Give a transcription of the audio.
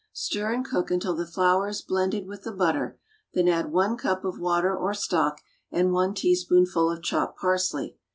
Stir and cook until the flour is blended with the butter; then add one cup of water or stock and one teaspoonful of chopped parsley.